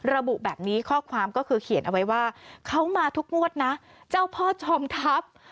ระบุแบบนี้ข้อความก็คือเขียนเอาไว้ว่าเขามาทุกงวดนะเจ้าพ่อจอมทัพ